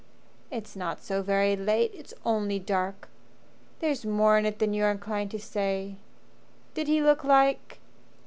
"It's not so very late it's only dark. There's more in it than you're inclined to say. Did he look like